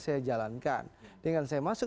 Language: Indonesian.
saya jalankan dengan saya masuk